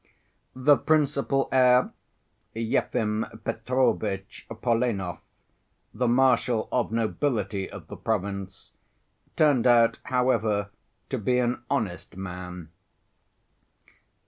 The principal heir, Yefim Petrovitch Polenov, the Marshal of Nobility of the province, turned out, however, to be an honest man.